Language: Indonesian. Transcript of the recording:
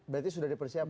berarti sudah dipersiapkan